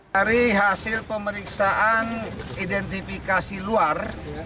dari hasil pemeriksaan identifikasi luar